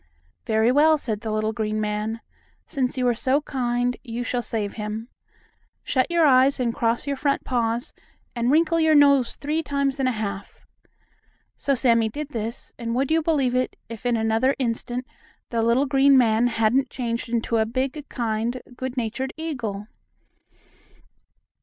"Very well," said the little green man, "since you are so kind, you shall save him. Shut your eyes, cross your front paws, and wrinkle your nose three times and a half." So Sammie did this, and, would you believe me? if, in another instant, the little green man hadn't changed into a big, kind, good natured eagle.